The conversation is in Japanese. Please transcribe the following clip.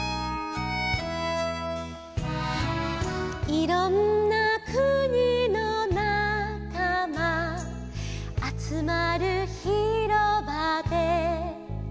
「いろんな国のなかま」「あつまる広場で」